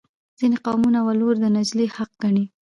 ځینې قومونه ولور د نجلۍ حق ګڼي.